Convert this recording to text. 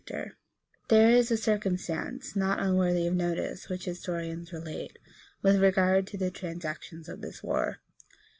] There is a circumstance, not unworthy of notice, which historians relate, with regard to the transactions of this war.